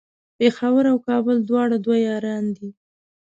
پیښور او کابل دواړه دوه یاران دی